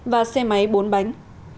và xe máy bốn bánh